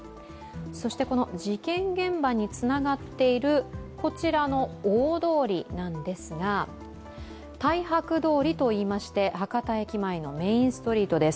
そして事件現場につながっているこちらの大通りなんですが太白通りといいまして博多駅前のメインストリートです。